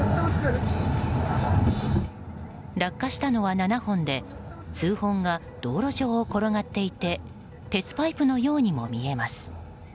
落下したのは７本で数本が道路上を転がっていて鉄パイプのようにも見えます。